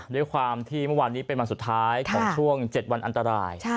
ด้วยความที่เมื่อวานนี้เป็นวันสุดท้ายของช่วง๗วันอันตราย